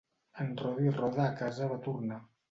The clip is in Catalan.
En Rodi-roda a casa va tornar.